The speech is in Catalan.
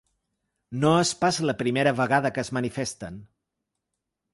No és pas la primera vegada que es manifesten.